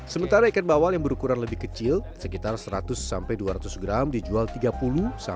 sementara ikan bawal yang berukuran lebih kecil sekitar seratus dua ratus gram dijual rp tiga puluh empat puluh setiap kilogramnya